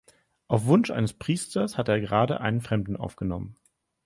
Auf Wunsch eines Priesters hat er gerade einen Fremden aufgenommen.